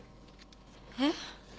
えっ？